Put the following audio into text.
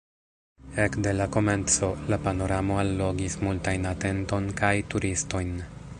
Ekde la komenco, la panoramo allogis multajn atenton kaj turistojn.